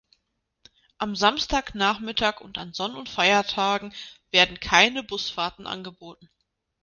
Am Samstagnachmittag und an Sonn- und Feiertagen werden keine Busfahrten angeboten.